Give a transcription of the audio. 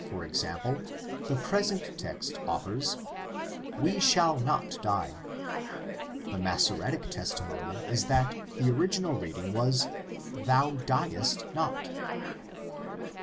1:12, for example, the present text offers, "we shall not die "; the Massoretic testimony is that the original reading was, "thou diest not."